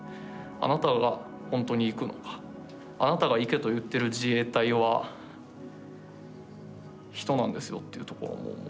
あなたがほんとに行くのかあなたが行けと言ってる自衛隊は人なんですよというところも思うし。